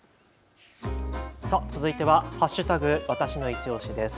続いては＃わたしのいちオシです。